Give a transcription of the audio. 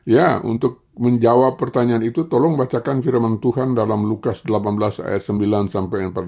ya untuk menjawab pertanyaan itu tolong bacakan firman tuhan dalam lukas delapan belas ayat sembilan sampai empat belas silahkan yura